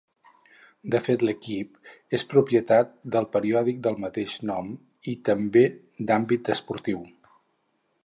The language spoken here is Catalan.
De fet, l'Equipe és propietat del periòdic del mateix nom i també d'àmbit esportiu.